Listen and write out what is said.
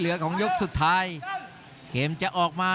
รับทราบบรรดาศักดิ์